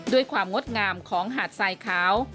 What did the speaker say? ด้วยความงดงามของหาดทรายขาว